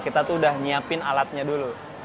kita sudah menyiapkan alatnya dulu